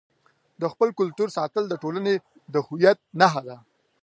د خپل کلتور ساتل د ټولنې د هویت نښه ده.